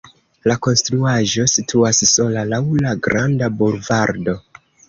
La konstruaĵo situas sola laŭ la granda bulvardo.